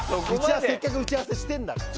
せっかく打ち合わせしてるんだからさ。